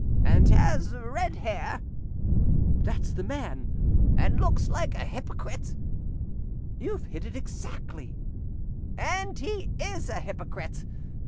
"And has red hair?" "That's the man." "And looks a hypocrite?" "You've hit it exactly." "And he is a hypocrite!